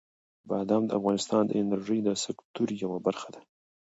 بادام د افغانستان د انرژۍ د سکتور یوه برخه ده.